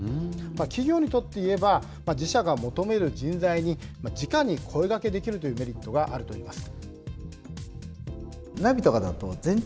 企業にとっていえば、自社が求める人材にじかに声がけできるというメリットがあるといいます。